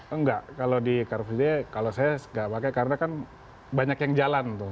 enggak kalau di car free day kalau saya nggak pakai karena kan banyak yang jalan tuh